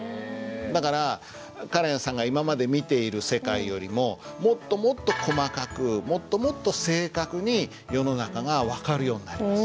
だからカレンさんが今まで見ている世界よりももっともっと細かくもっともっと正確に世の中が分かるようになります。